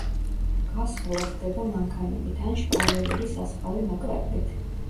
გასხვლა ხდება მანქანებით ან შპალერული სასხლავი მაკრატლით.